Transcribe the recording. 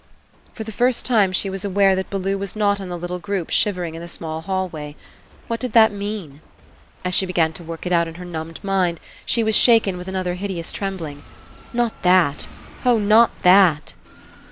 For the first time she was aware that 215 PASSING Bellew was not in the little group shivering In the small hallway. What did that mean? As she began to work it out in her numbed mind, she was shaken with another hideous trembling. Not that! Oh, not that!